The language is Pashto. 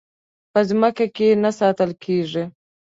په ځمکه کې نه ساتل کېږي.